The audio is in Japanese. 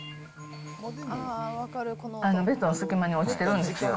ベッドの隙間に落ちてるんですよ。